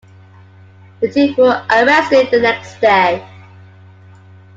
The two were arrested the next day.